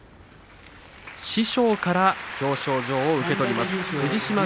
師匠から表彰状を受け取りました。